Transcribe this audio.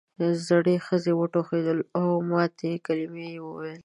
زړې ښځې وټوخل او ماتې کلمې یې وویل.